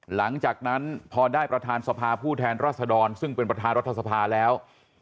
หลังจากนั้นพอได้ประธานสภาผู้แทนรัศดรซึ่งเป็นประธานรัฐสภาแล้ว